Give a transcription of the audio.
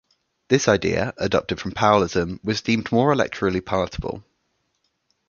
This idea, adopted from Powellism, was deemed more electorally palatable.